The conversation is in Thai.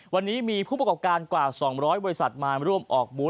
วันนี้มีผู้ประกอบการกว่า๒๐๐บริษัทมาร่วมออกบูธ